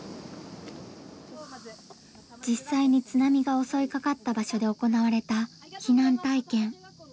実際に津波が襲いかかった場所で行われた避難体験。